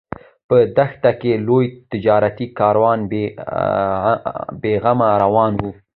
په دښته کې لوی تجارتي کاروان بې غمه روان و.